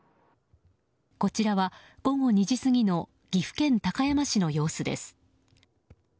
こちらは、午後２時過ぎの岐阜県高山市の様子です。